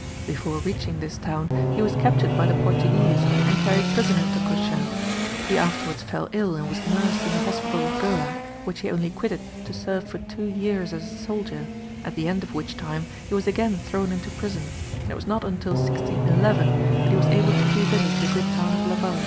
Before reaching this town he was captured by the Portuguese and carried prisoner to Cochin; he afterwards fell ill and was nursed in the Hospital of Goa which he only quitted to serve for two years as a soldier, at the end of which time he was again thrown into prison, and it was not until 1611, that he was able to revisit the good town of Laval.